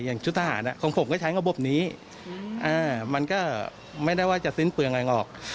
ชุดทหารของผมก็ใช้ระบบนี้มันก็ไม่ได้ว่าจะสิ้นเปลืองอะไรหรอก